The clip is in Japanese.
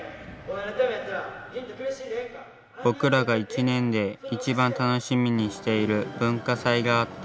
僕らが１年で一番楽しみにしている文化祭があった。